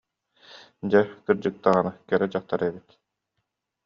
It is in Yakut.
Дьэ, кырдьык даҕаны, кэрэ дьахтар эбит